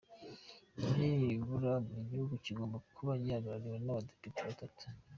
Nibura buri gihugu kigomba kuba gihagarariwe n’abadepite batatu,”.